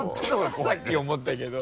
さっき思ったけど。